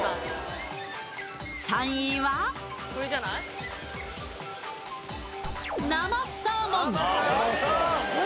３位は生サーモン。